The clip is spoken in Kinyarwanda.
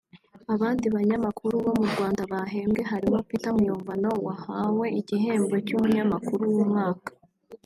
Abandi banyamakuru bo mu Rwanda bahembwe harimo Peter Muyombano wahawe igihembo cy’umunyamakuru w’umwaka